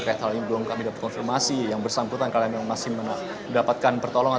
terkait hal ini belum kami dapat konfirmasi yang bersangkutan karena memang masih mendapatkan pertolongan